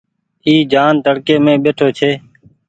اي جآن تڙڪي مين ٻيٺو ڇي۔